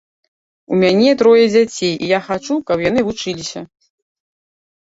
У мяне трое дзяцей і я хачу, каб яны вучыліся.